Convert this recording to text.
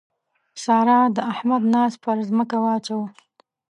سارا د احمد ناز پر ځمکه واچاوو.